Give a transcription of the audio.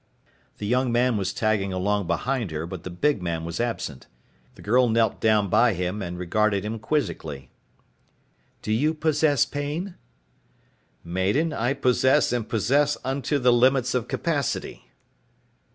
The young man was tagging along behind her but the big man was absent. The girl knelt down by him and regarded him quizically. "Do you possess pain?" "Maiden, I possess and possess unto the limits of capacity."